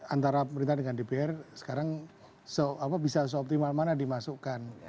antara pemerintah dengan dpr sekarang bisa seoptimal mana dimasukkan